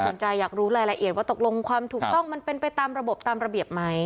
อยากรู้รายละเอียดว่าตกลงความถูกต้องมันเป็นไปตามระบบตามระเบียบไหม